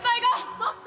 どうした？